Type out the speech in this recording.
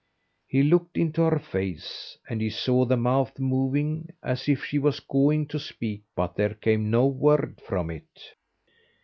He looked into her face, and he saw the mouth moving as if she was going to speak, but there came no word from it.